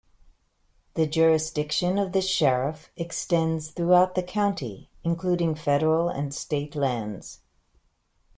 The jurisdiction of the Sheriff extends throughout the county, including federal and state lands.